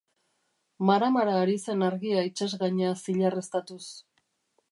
Mara-mara ari zen argia itsasgaina zilarreztatuz.